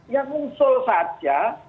yang unsur saja